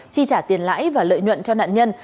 chi trả tiền lãi và lợi nhuận cho nạn nhân